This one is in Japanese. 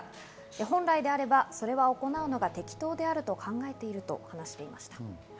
本来であれば、それは行うのが適当であると考えていると話しました。